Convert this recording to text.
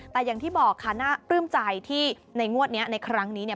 แต่อย่างที่บอกค่ะน่าปลื้มใจที่ในงวดนี้ในครั้งนี้เนี่ย